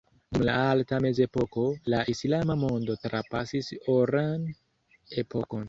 Dum la Alta Mezepoko, la islama mondo trapasis oran epokon.